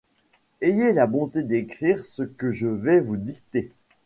Ayez la bonté d’écrire ce que je vais vous dicter.